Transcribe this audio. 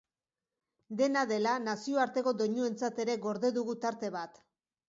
Dena dela, nazioarteko doinuentzat ere gorde dugu tarte bat.